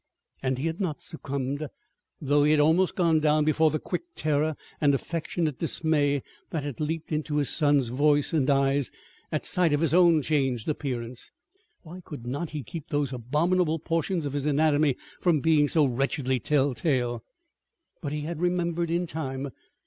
And he had not succumbed though he had almost gone down before the quick terror and affectionate dismay that had leaped into his son's voice and eyes at sight of his own changed appearance. (Why could not he keep those abominable portions of his anatomy from being so wretchedly telltale?) But he had remembered in time.